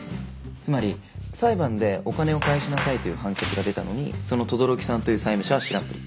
つまり裁判でお金を返しなさいという判決が出たのにその轟木さんという債務者は知らんぷり。